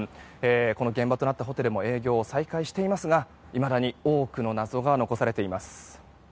この現場となったホテルも営業を再開していますがいまだに多くの謎が残されています。